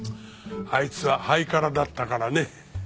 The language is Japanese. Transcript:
あいつはハイカラだったからね。